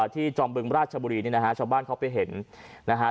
จอมบึงราชบุรีเนี่ยนะฮะชาวบ้านเขาไปเห็นนะฮะ